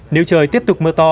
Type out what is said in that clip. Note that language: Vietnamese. nếu trời tiếp tục mưa to